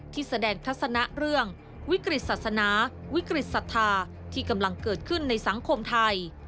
ที่แสดงทัศนะเรื่องวิกฤตศาสนาวิกฤตศรัทธาที่กำลังเกิดขึ้นในสังคมไทย